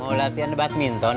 mau latihan badminton